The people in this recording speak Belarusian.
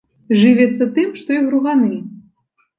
Жывяцца тым, што і груганы.